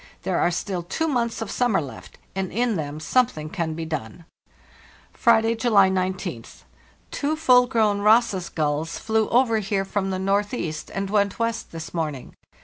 There are still two months of summer left, and in them something can be done. " Friday, July roth. Two full grown Ross's gulls flew over here from the northeast and went west this morning.